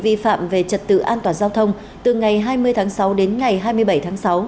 vi phạm về trật tự an toàn giao thông từ ngày hai mươi tháng sáu đến ngày hai mươi bảy tháng sáu